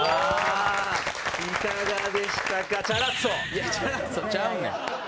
いやチャラッソちゃうねん。